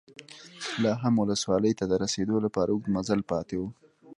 لا هم ولسواکۍ ته د رسېدو لپاره اوږد مزل پاتې و.